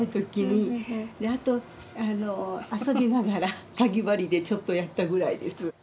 あとあの遊びながらかぎ針でちょっとやったぐらいです。